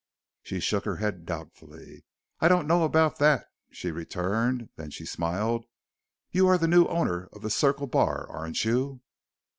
She shook her head doubtfully. "I don't know about that," she returned. Then she smiled. "You are the new owner of the Circle Bar, aren't you?"